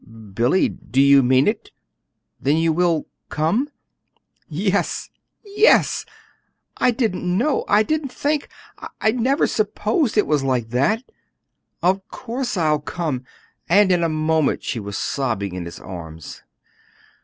"Billy, do you mean it? Then you will come?" "Yes, yes! I didn't know I didn't think. I never supposed it was like that! Of course I'll come!" And in a moment she was sobbing in his arms.